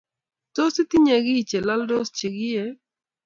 Tos, itinye kiiy che lalsoot chegiie?